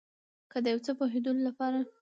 که د یو څه پوهیدلو لپاره